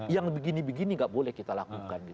yang begini begini gak boleh kita lakukan